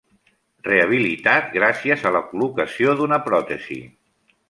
Rehabilitat gràcies a la col·locació d'una pròtesi.